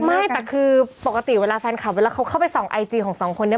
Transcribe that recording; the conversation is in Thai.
ไม่แต่คือปกติเวลาแฟนคลับเวลาเขาเข้าไปส่องไอจีของสองคนนี้